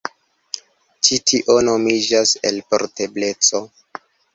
Ĉi tio nomiĝas elportebleco.